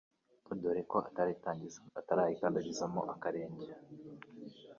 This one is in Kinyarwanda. dore ko yari atarayikandagizamo akarenge